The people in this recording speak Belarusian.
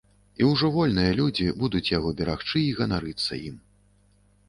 І ўжо вольныя людзі будуць яго берагчы й ганарыцца ім.